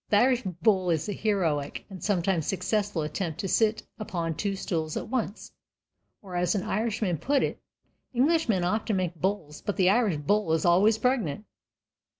The Irish "bull" is a heroic and sometimes successful attempt to sit upon two stools at once, or, as an Irishman put it, "Englishmen often make 'bulls,' but the Irish 'bull' is always pregnant."